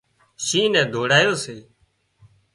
شينهن نين تيڙايو سي